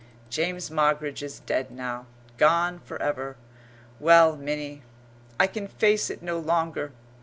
James Moggridge is dead now, gone for ever. Well, Minnie "I can face it no longer."